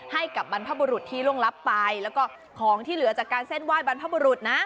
ให้กับบรรพบุรุษที่ล่วงรับไปแล้วก็ของที่เหลือจากการเส้นไหว้บรรพบุรุษนะ